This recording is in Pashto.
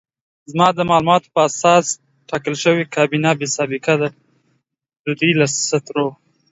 زما د معلوماتو په اساس ټاکل شوې کابینه بې سابقې ده، دوی له سترو